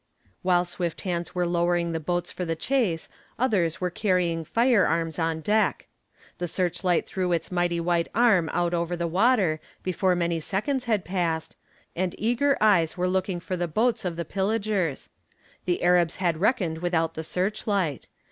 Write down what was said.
While swift hands were lowering the boats for the chase others were carrying firearms on deck. The searchlight threw its mighty white arm out over the water before many seconds had passed, and eager eyes were looking for the boats of the pillagers. The Arabs had reckoned without the searchlight.